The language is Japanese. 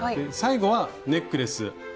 最後はネックレス。